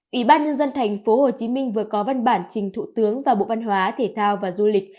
ủy ban nhân dân thành phố hồ chí minh vừa có văn bản trình thủ tướng và bộ văn hóa thể thao và du lịch